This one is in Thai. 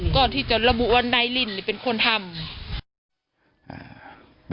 ก่อนที่จะระบุว่านายลินเป็นคนทำ